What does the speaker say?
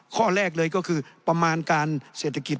ข้อแรกเลยก็คือประมาณการเศรษฐกิจ